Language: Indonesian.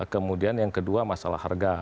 kemudian yang kedua masalah harga